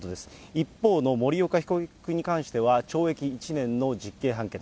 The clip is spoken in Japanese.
一方の森岡被告に関しては懲役１年の実刑判決。